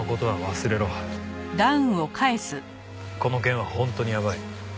この件は本当にやばい。